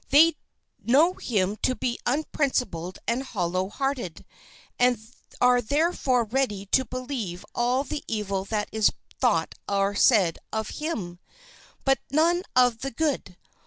They know him to be unprincipled and hollow hearted, and are therefore ready to believe all the evil that is thought or said of him, but none of the good.